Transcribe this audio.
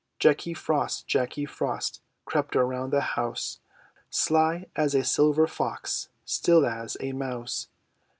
Jacky Frost, Jacky Frost, Crept around the house, Sly as a silver fox, Still as a mouse.